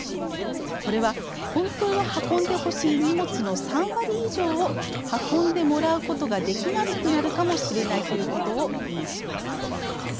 これは本当は運んでほしい荷物の３割以上を運んでもらうことができなくなるかもしれないということを意味します。